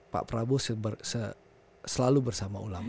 pak prabowo selalu bersama ulama